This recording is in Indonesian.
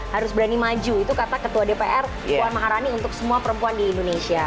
harus berani maju itu kata ketua dpr puan maharani untuk semua perempuan di indonesia